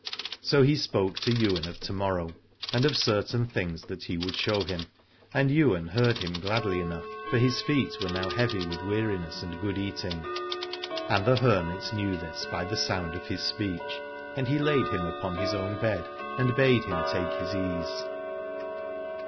So he spoke to Ywain of to morrow, and of certain 27 Alad ore things that he would show him, and Ywain heard him gladly enough, for his feet were now heavy with weariness and good eating. And the hermit knew this by the sound of his speech, and he laid him upon his own bed and bade him take his ease.